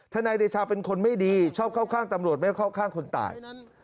นายเดชาเป็นคนไม่ดีชอบเข้าข้างตำรวจไม่เข้าข้างคนตาย